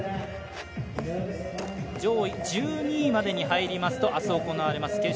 上位１２名までに入りますと明日、行われます